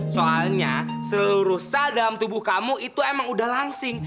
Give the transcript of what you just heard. soalnya seluruh sel dalam tubuh kamu itu emang udah langsing